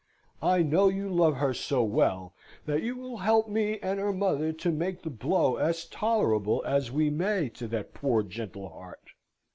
I know you love her so well, that you will help me and her mother to make the blow as tolerable as we may to that poor gentle heart.